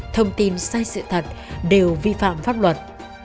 thông tin sai sự thật đều vi phạm pháp luật